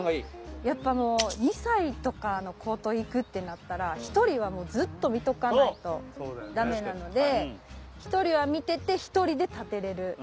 っぱもう２歳とかの子と行くってなったら人はもうずっと見とかないとダメなので人は見てて１人で立てれる。